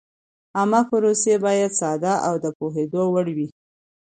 عامه پروسې باید ساده او د پوهېدو وړ وي.